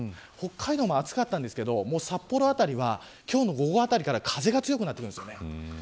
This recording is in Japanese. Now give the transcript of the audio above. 北海道も暑かったんですが札幌辺りは、今日の午後あたりから風が強くなってきます。